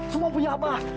semua punya abah